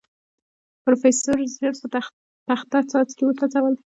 پروفيسر ژر په پخته څاڅکي وڅڅول.